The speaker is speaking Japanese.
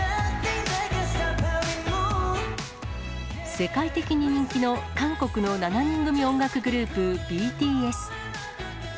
世界的に人気の韓国の７人組音楽グループ、ＢＴＳ。